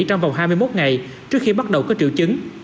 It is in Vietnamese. trong vòng hai mươi một ngày trước khi bắt đầu có triệu chứng